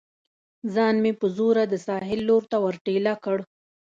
ځان مې په زوره د ساحل لور ته ور ټېله کړ.